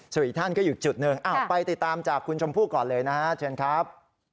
ส่วนอีกท่านก็อยู่จุดหนึ่งไปติดตามจากคุณชมพู่ก่อนเลยนะฮะเชิญครับ